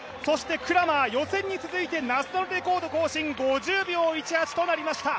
クラバー予選に続いてナショナルレコード更新５０秒１８となりました。